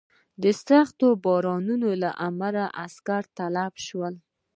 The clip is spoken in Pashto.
د سختو بارانونو له امله یې عسکر تلف شول.